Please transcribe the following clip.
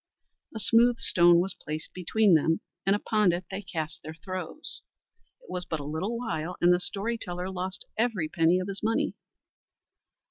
A smooth stone was placed between them, and upon it they cast their throws. It was but a little while and the story teller lost every penny of his money.